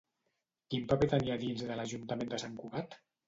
Quin paper tenia dins de l'Ajuntament de Sant Cugat?